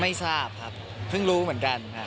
ไม่ทราบครับเพิ่งรู้เหมือนกันครับ